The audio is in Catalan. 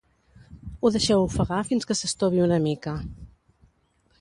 ho deixeu ofegar fins que s'estovi una mica